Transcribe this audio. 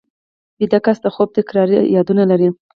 ویده کس د خوب تکراري یادونه لري